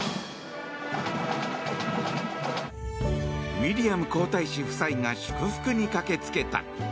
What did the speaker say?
ウィリアム皇太子夫妻が祝福に駆けつけた。